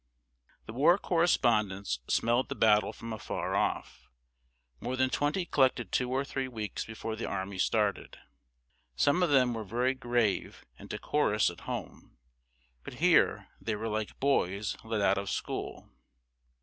The war correspondents "smelled the battle from afar off." More than twenty collected two or three weeks before the army started. Some of them were very grave and decorous at home, but here they were like boys let out of school.